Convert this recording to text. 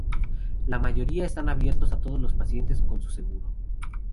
La mayoría están abiertos a todos los pacientes con seguro.